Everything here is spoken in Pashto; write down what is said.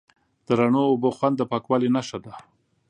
د رڼو اوبو خوند د پاکوالي نښه ده.